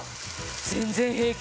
全然平気。